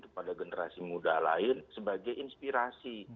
pada generasi muda lain sebagai inspirasi